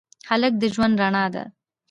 هلک د ژوند رڼا ده.